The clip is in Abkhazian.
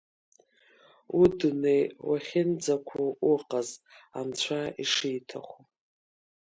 Удунеи уахьынӡақәу уҟаз анцәа ишиҭаху.